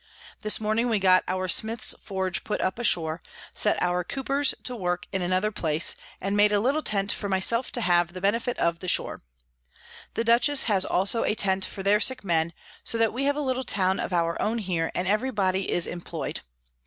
This Morning we got our Smiths Forge put up ashore, set our Coopers to work in another place, and made a little Tent for my self to have the Benefit of the Shore. The Dutchess has also a Tent for their sick Men; so that we have a little Town of our own here, and every body is employ'd.